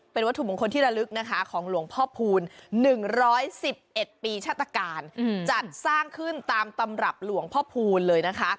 เป็นวัตถุมงคลที่ระลึกนะคะของหลวงพ่อพูล๑๑๑ปีชาตการจัดสร้างขึ้นตามตำรับหลวงพ่อพูลเลยนะคะ